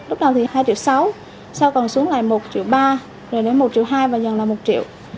lúc đầu thì hai sáu triệu sau còn xuống lại một ba triệu rồi đến một hai triệu và dần là một triệu